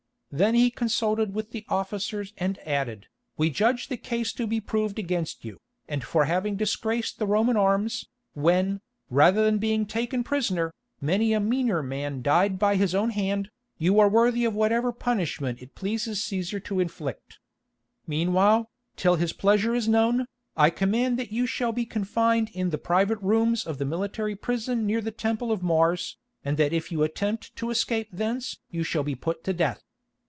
Then he consulted with the officers and added, "We judge the case to be proved against you, and for having disgraced the Roman arms, when, rather than be taken prisoner, many a meaner man died by his own hand, you are worthy of whatever punishment it pleases Cæsar to inflict. Meanwhile, till his pleasure is known, I command that you shall be confined in the private rooms of the military prison near the Temple of Mars, and that if you attempt to escape thence you shall be put to death.